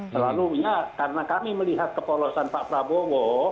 selalu ya karena kami melihat kepolosan pak prabowo